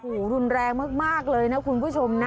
โอ้โหรุนแรงมากเลยนะคุณผู้ชมนะ